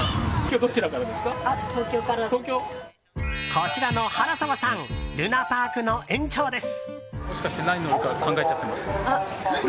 こちらの原澤さんるなぱあくの園長です。